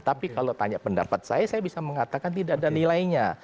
tapi kalau tanya pendapat saya saya bisa mengatakan tidak ada nilainya